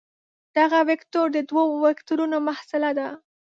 دغه وکتور د دوو وکتورونو محصله ده.